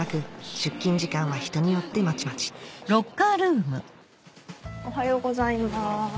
出勤時間は人によってまちまちおはようございます。